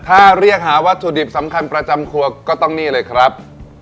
ถ้าเรียกหาวัตถุดิบสำคัญประจำครัวก็ต้องนี่เลยครับ